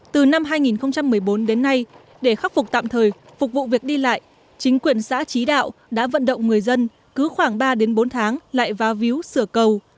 từ năm hai nghìn một mươi bốn đến nay để khắc phục tạm thời phục vụ việc đi lại chính quyền xã trí đạo đã vận động người dân cứ khoảng ba bốn tháng lại va víu sửa cầu